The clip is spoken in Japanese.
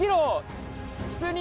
普通に。